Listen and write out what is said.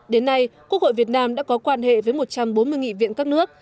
đến nay quốc hội việt nam đã có quan hệ với một trăm bốn mươi nghị viện các nước